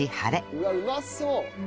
うわっうまそう！